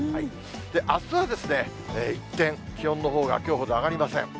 あすは一転、気温のほうがきょうほど上がりません。